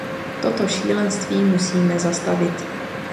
Toto šílenství musíme zastavit.